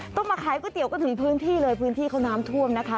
ต้องมาขายก๋วเตี๋ก็ถึงพื้นที่เลยพื้นที่เขาน้ำท่วมนะคะ